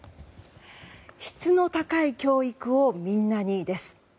「質の高い教育をみんなに」です。